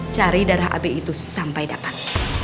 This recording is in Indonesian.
cari darah ab itu sampai dapat